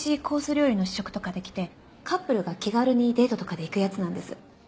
料理の試食とかできてカップルが気軽にデートとかで行くやつなんです。